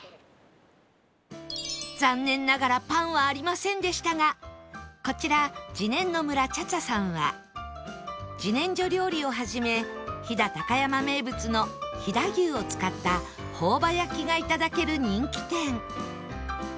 残念ながらパンはありませんでしたがこちらじねんのむら茶茶さんは自然薯料理をはじめ飛騨高山名物の飛騨牛を使った朴葉焼きがいただける人気店